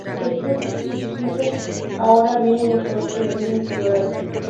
Los Sutter y sus dos hijos ahora viven en Condado de Eagle, Colorado.